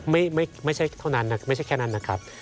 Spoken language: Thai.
ไม่ใช่แค่นั้นนะครับ